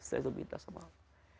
saya itu minta sama allah